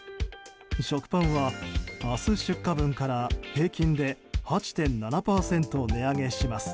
食パンは明日出荷分から平均で８．７％値上げします。